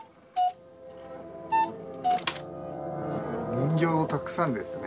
人形たくさんですね。